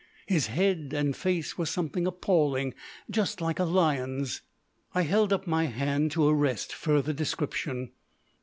His head and face were something appalling, just like a lion's." I held up my hand to arrest further description.